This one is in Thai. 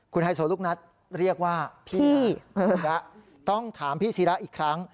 ไฮโซลูกนัทเรียกว่าพี่ต้องถามพี่ศิระอีกครั้ง